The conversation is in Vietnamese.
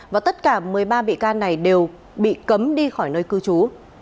và tất cả một mươi ba bị can này đều bị cấm đi khỏi nơi cư trú